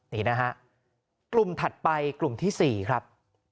นี่นะฮะกลุ่มถัดไปกลุ่มที่๔ครับ